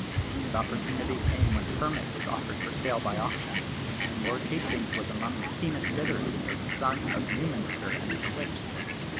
His opportunity came when Hermit was offered for sale by auction, and Lord Hastings was among the keenest bidders for the son of Newminster and Eclipse.